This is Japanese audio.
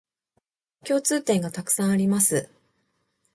共通点がたくさんあります